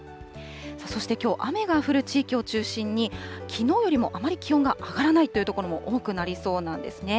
そしてきょう、雨が降る地域を中心に、きのうよりもあまり気温が上がらないという所も多くなりそうなんですね。